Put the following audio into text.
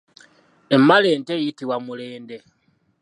Emmale ento eyitibwa Mulende.